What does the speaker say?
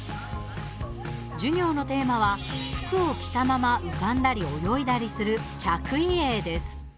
授業のテーマは服を着たまま浮かんだり泳いだりする着衣泳です。